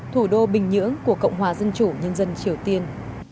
thủ đô bình nhưỡng của cộng hòa dân chủ nhân dân triều tiên